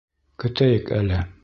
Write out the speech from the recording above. Көтәйек әле.